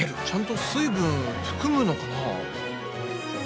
ちゃんと水分含むのかな？